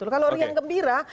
kalau riang gembira